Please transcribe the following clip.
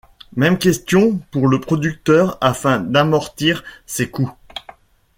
Même question pour le producteur, afin d’amortir ses coûts.